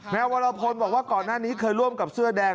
วรพลบอกว่าก่อนหน้านี้เคยร่วมกับเสื้อแดง